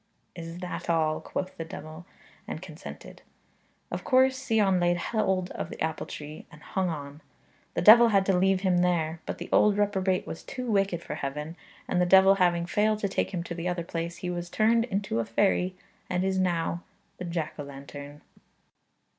'Is that all?' quoth the diawl, and consented. Of course Sion laid hold of the apple tree, and hung on. The devil had to leave him there. But the old reprobate was too wicked for heaven, and the devil having failed to take him to the other place, he was turned into a fairy, and is now the jack o' lantern.